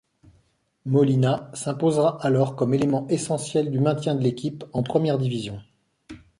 Molina s'imposera alors comme élément essentiel du maintien de l'équipe en Première division.